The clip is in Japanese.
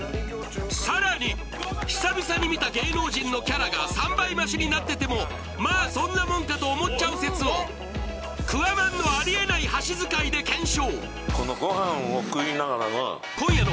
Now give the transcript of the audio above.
さらに久々に見た芸能人のキャラが３倍増しになっててもまあそんなもんかと思っちゃう説を桑マンのありえない箸使いで検証